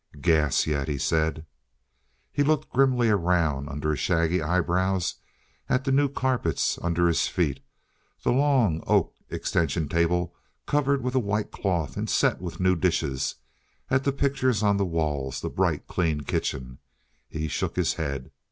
"Gas, yet!" he said. He looked grimly around, under his shaggy eyebrows, at the new carpets under his feet, the long oak extension table covered with a white cloth and set with new dishes, at the pictures on the walls, the bright, clean kitchen. He shook his head.